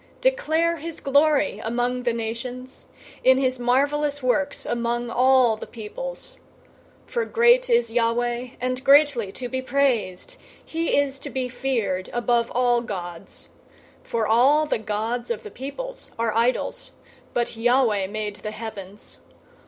096:003 Declare his glory among the nations, his marvelous works among all the peoples. 096:004 For great is Yahweh, and greatly to be praised! He is to be feared above all gods. 096:005 For all the gods of the peoples are idols, but Yahweh made the heavens.